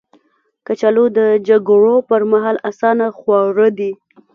کچالو د جګړو پر مهال اسانه خواړه دي